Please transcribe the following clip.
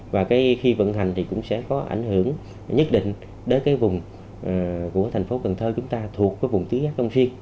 và khi vận hành thì cũng sẽ có ảnh hưởng nhất định đến cái vùng của thành phố cần thơ chúng ta thuộc cái vùng tứ giác long xuyên